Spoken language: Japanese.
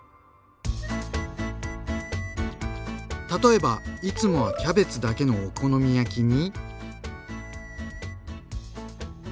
例えばいつもはキャベツだけのお好み焼きに。